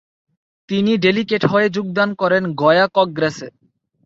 তিনি ডেলিগেট হয়ে যোগদান করেন গয়া কগ্রেসে।